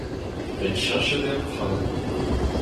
Met cheñchet eo an traoù…